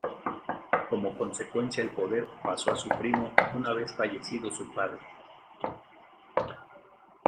Como consecuencia el poder pasó a su primo una vez fallecido su padre.